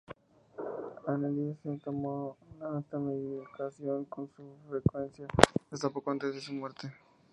Anneliese tomó esta medicación con frecuencia, hasta poco antes de su muerte.